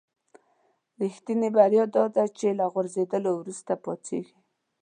رښتینې بریا داده چې له غورځېدلو وروسته پاڅېږئ.